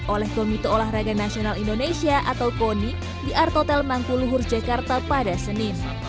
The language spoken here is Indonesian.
oleh komite olahraga nasional indonesia atau koni di artotel mangkuluhur jakarta pada senin